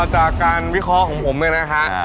จากการวิเคราะห์ของผมเนี่ยนะฮะ